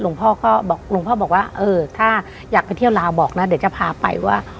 หลวงพ่อก็บอกหลวงพ่อบอกว่าเออถ้าอยากไปเที่ยวลาวบอกนะเดี๋ยวจะพาไปว่า